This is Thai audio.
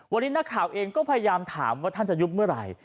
วันนี้นักข่าวเองก็พยายามถามว่าท่านจะยุบเมื่อไหร่